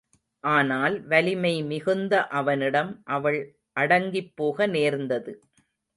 ஆனால் வலிமை மிகுந்த அவனிடம் அவள் அடங்கிப்போக நேர்ந்தது.